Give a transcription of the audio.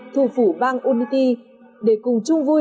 thu phủ bang unity để cùng chung vui